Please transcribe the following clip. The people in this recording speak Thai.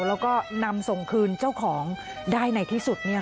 แล้วก็นำส่งคืนเจ้าของได้ไหนที่สุดเนี้ยค่ะ